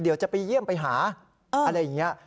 เดี๋ยวจะไปเยี่ยมไปหาอะไรอย่างนี้